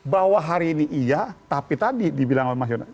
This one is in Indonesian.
bahwa hari ini iya tapi tadi dibilang oleh mas yona